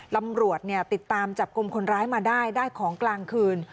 ตำรวจติดตามจับกลุ่มคนร้ายมาได้ได้ของกลางคืน